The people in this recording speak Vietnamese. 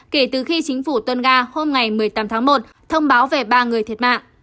kể từ khi chính phủ tonga hôm một mươi tám tháng một thông báo về ba người thiệt mạng